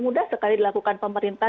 mudah sekali dilakukan pemerintah